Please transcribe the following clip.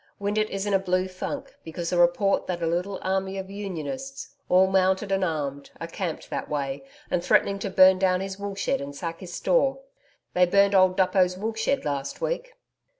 Windeatt is in a blue funk because a report that a little army of Unionists, all mounted and armed, are camped that way and threatening to burn down his wool shed and sack his store. The burned old Duppo's wool shed last week.'